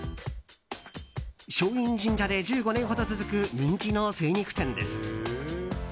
松陰神社で１５年ほど続く人気の精肉店です。